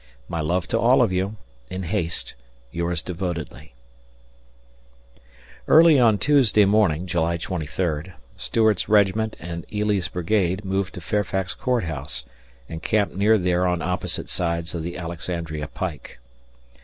My love to all of you. In haste. Yours devotedly, Early on Tuesday morning (July 23) Stuart's regiment and Eley's brigade moved to Fairfax Court House and camped near there on opposite sides of the Alexandria pike.